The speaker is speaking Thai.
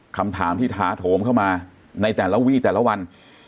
คำถามที่ถาโถมเข้ามาในแต่ละวี่แต่ละวัน